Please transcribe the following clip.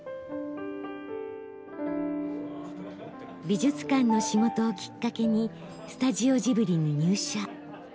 美術館の仕事をきっかけにスタジオジブリに入社。